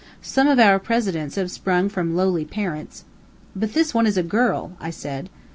Some of our presidents have sprung from lowly parents." "But this one is a girl," I said.